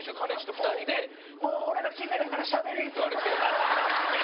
２人で「もう、俺ら聞いてないからしゃべり！」って言われて。